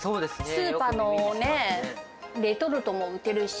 スーパーのね、レトルトも売っているし。